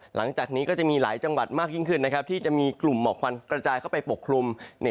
หลังจากนี้ก็จะมีหลายจังหวัดมากยิ่งขึ้นที่จะมีกลุ่มหมอกควันกระจายเข้าไปปกคลุม